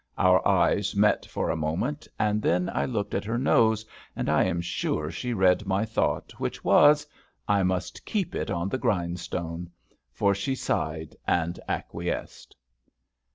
Our eyes met for a moment, and then I looked at her nose, and I am sure she read my thought, which was "I must keep it on the grindstone," for she sighed and acquiesced.